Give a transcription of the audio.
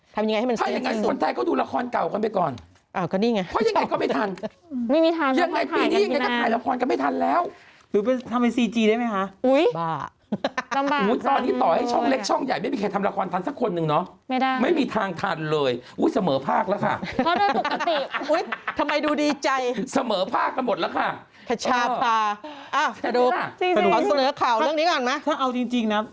ทำอย่างไรให้มันเสี่ยงสุดถ้ายังไงสนใจก็ดูละครเก่ากันไปก่อน